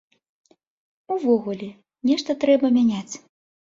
Увогуле, нешта трэба мяняць.